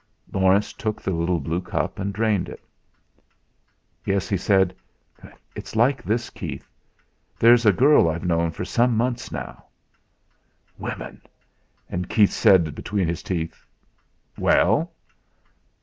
Laurence took the little blue cup and drained it. "Yes," he said. "It's like this, Keith. There's a girl I've known for some months now " Women! And Keith said between his teeth: "Well?"